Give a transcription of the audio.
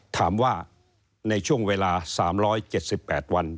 ถามว่าในช่วงเวลา๓๗๘วัน